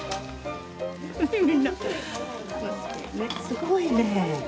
すごいね。